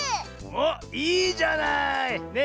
おっいいじゃない！ね。